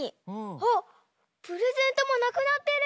あっプレゼントもなくなってる！